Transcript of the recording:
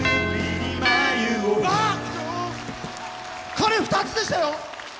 鐘２つでしたよ！